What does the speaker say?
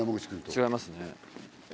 違いますね。